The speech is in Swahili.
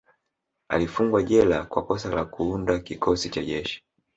Alifungwa jela kwa kosa la Kuunda kikosi cha kijeshi